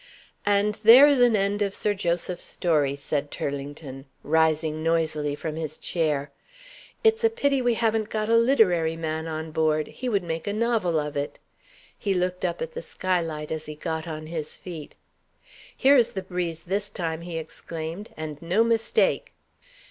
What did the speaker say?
"And there is an end of Sir Joseph's story," said Turlington, rising noisily from his chair. "It's a pity we haven't got a literary man on board he would make a novel of it." He looked up at the skylight as he got on his feet. "Here is the breeze, this time," he exclaimed, "and no mistake!"